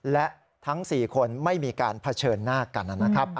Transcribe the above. และทั้ง๔คนไม่มีการเผชิญหน้ากันนะครับ